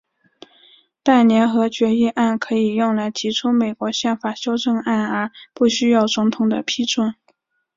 但联合决议案可以用来提出美国宪法修正案而不需要总统的批准。